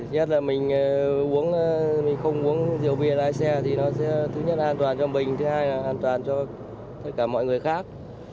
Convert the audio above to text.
nhất là mình uống mình không uống rượu bia lái xe thì nó sẽ thứ nhất là an toàn cho mình thứ hai là an toàn cho tất cả mọi người khác